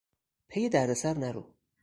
پی دردسر نرو!